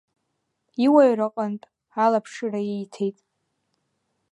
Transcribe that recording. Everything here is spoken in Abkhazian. Иуаҩра аҟынтә алаԥшыра ииҭеит.